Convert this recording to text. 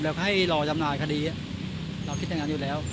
เราคิดอย่างนั้นอยู่แล้ว